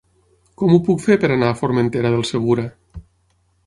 Com ho puc fer per anar a Formentera del Segura?